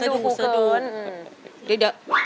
เดี๋ยวเดี๋ยว